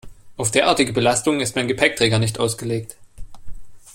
Auf derartige Belastungen ist mein Gepäckträger nicht ausgelegt.